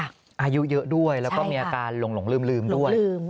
อายุเยอะด้วยแล้วก็มีอาการหลงลืมด้วย